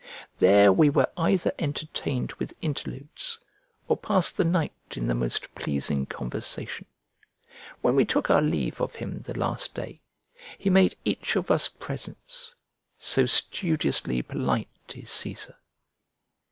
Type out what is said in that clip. There we were either entertained with interludes or passed the night in the most pleasing conversation. When we took our leave of him the last day, he made each of us presents; so studiously polite is Cæsar!